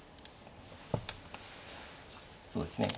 そうですね